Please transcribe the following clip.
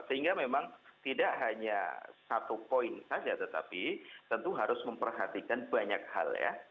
sehingga memang tidak hanya satu poin saja tetapi tentu harus memperhatikan banyak hal ya